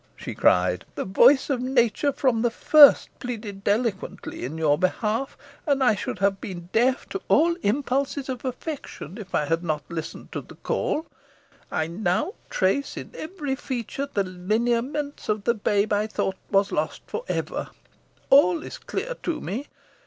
she cried. "The voice of nature from the first pleaded eloquently in your behalf, and I should have been deaf to all impulses of affection if I had not listened to the call. I now trace in every feature the lineaments of the babe I thought lost for ever. All is clear to me.